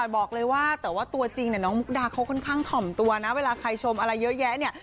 บอกเลยว่าแต่ว่าตัวจริงเนี่ยน้องมุกดาเขาค่อนข้างถ่อมตัวนะเวลาใครชมอะไรเยอะแยะเนี่ย